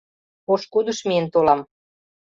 Пошкудыш миен толам.